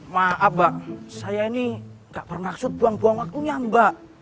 maaf mbak saya ini gak bermaksud buang buang waktunya mbak